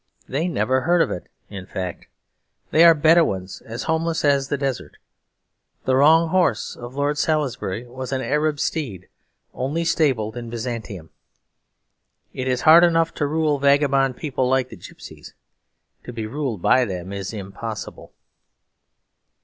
They never heard of it, in fact. They are Bedouins, as homeless as the desert. The "wrong horse" of Lord Salisbury was an Arab steed, only stabled in Byzantium. It is hard enough to rule vagabond people, like the gypsies. To be ruled by them is impossible.